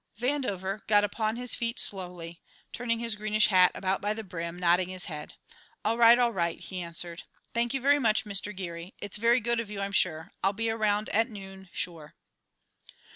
Vandover got upon his feet slowly, turning his greenish hat about by the brim, nodding his head. "All right, all right," he answered. "Thank you very much, Mister Geary. It's very good of you, I'm sure. I'll be around at noon sure."